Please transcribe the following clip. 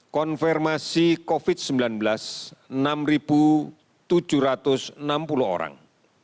konfirmasi covid sembilan belas enam tujuh ratus enam puluh orang